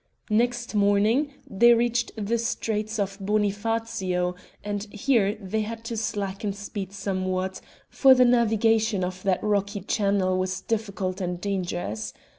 Next morning they reached the Straits of Bonifacio, and here they had to slacken speed somewhat, for the navigation of that rocky channel was difficult and dangerous.